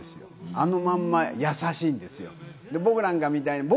あのまんま優しいんですよ。